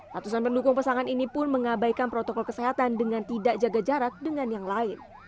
ratusan pendukung pasangan ini pun mengabaikan protokol kesehatan dengan tidak jaga jarak dengan yang lain